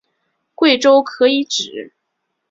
贵州可以指